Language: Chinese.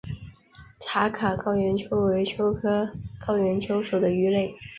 茶卡高原鳅为鳅科高原鳅属的鱼类。